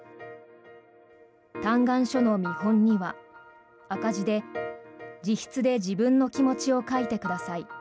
嘆願書の見本には、赤字で自筆で自分の気持ちを書いてください